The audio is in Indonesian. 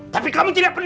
tapi kamu tidak peduli